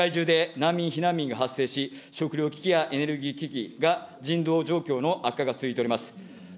世界中で難民・避難民が発生し、食料危機やエネルギー危機が人道状況の悪化が続いております。